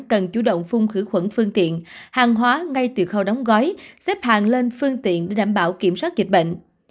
cần chủ động phun khử khuẩn phương tiện hàng hóa ngay từ khâu đóng gói xếp hàng lên phương tiện để đảm bảo kiểm soát dịch bệnh